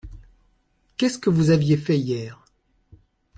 Qu’est-ce que vous aviez fait hier ?